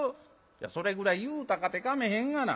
「それぐらい言うたかてかめへんがな。